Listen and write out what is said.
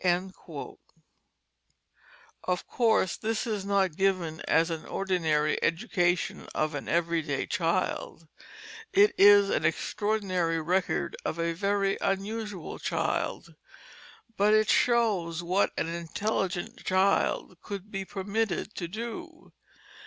Of course this is not given as an ordinary education of an every day child. It is an extraordinary record of a very unusual child, but it shows what an intelligent child could be permitted to do.